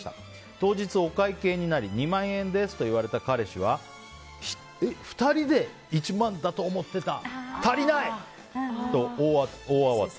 当日、お会計になり２万円ですと言われた彼氏は２人で１万だと思ってた足りない！と、大慌て。